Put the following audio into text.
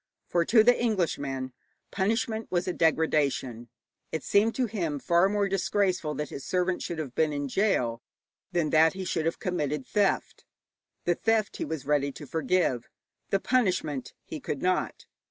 For to the Englishman punishment was a degradation. It seemed to him far more disgraceful that his servant should have been in gaol than that he should have committed theft. The theft he was ready to forgive, the punishment he could not.